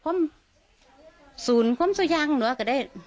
ภรรยาก็บอกว่านายทองม่วนขโมย